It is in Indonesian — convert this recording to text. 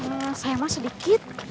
eh sayangnya sedikit